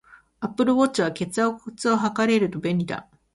アップルウォッチは、血圧測れると便利だ